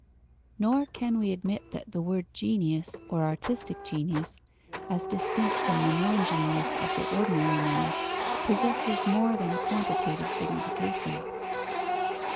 _ Nor can we admit that the word genius or artistic genius, as distinct from the non genius of the ordinary man, possesses more than a quantitative signification.